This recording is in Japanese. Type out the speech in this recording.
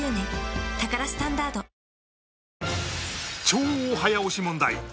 超早押し問題！